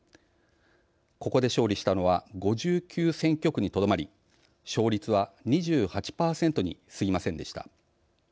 ここで勝利したのは５９選挙区にとどまり勝率は２８％にすぎませんでした。